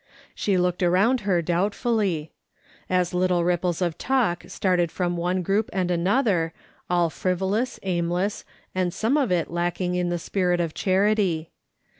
She looked around her doubtfully, as little ripples of talk started from one group and another, all frivolous, aimless, and some of it lacking in the spirit of charity.